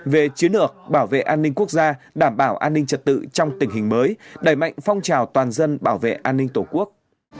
về chiến lược bảo vệ an ninh quốc gia đảm bảo an ninh trật tự trong tình hình mới đẩy mạnh phong trào toàn dân bảo vệ an ninh tổ quốc